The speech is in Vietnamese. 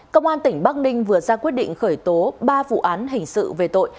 công an tỉnh bắc ninh vừa ra quyết định khởi tố ba vụ án hình sự về tội